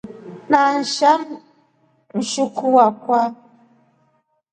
Nashaa Mjukuu akwa.